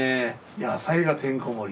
野菜がてんこ盛り。